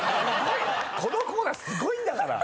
このコーナーすごいんだから。